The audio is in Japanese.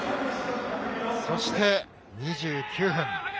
そして、２９分。